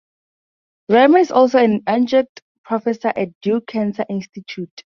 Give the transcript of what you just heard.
Rimer is also an adjunct professor at Duke Cancer Institute.